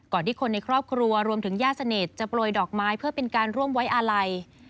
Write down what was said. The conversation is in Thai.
ที่คนในครอบครัวรวมถึงญาติสนิทจะโปรยดอกไม้เพื่อเป็นการร่วมไว้อาลัย